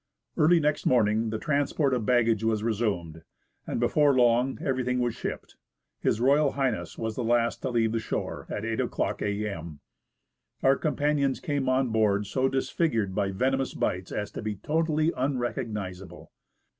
Early next morning the transport of the baggage was resumed, and before long everything was shipped. H.R. H. was the last to leave the shore, at 8 o'clock a.m. Our companions came on board so disfigured by venomous bites as to be totally unrecognisable.